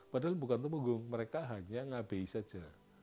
padahal bukan tumgung mereka hanya ngabeyi saja